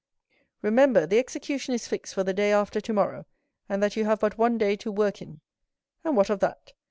"Remember, the execution is fixed for the day after tomorrow, and that you have but one day to work in." "And what of that?